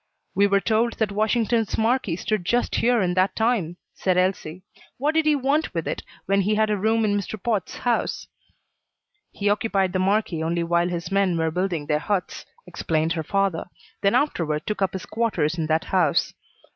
"We were told that Washington's marquee stood just here in that time," said Elsie. "What did he want with it when he had a room in Mr. Potts' house?" "He occupied the marquee only while his men were building their huts," explained her father, "then afterward took up his quarters in that house."